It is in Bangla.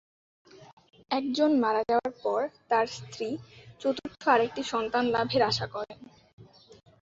একজন মারা যাওয়ার পর তার স্ত্রী চতুর্থ আরেকটি সন্তান লাভের আশা করেন।